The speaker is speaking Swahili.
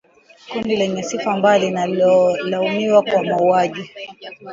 kundi lenye sifa mbaya linalolaumiwa kwa mauaji